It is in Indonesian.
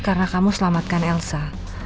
karena kamu selamatkan elsa